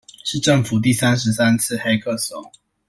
是政府第三十三次黑客松